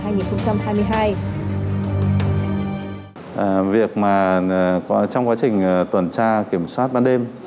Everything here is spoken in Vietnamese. việc mà trong quá trình tuần tra kiểm soát ban đêm